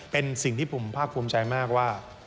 เป็นสิ่งที่ผมภาคภูมิใจมากว่า